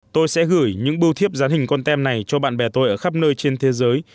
tôi sẽ gửi những bưu thiếp dán hình con tem này cho bạn bè tôi ở khắp nơi trên thế giới